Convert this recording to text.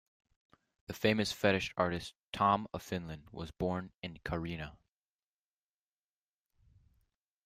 The famous fetish artist Tom of Finland was born in Kaarina.